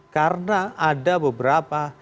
karena ada beberapa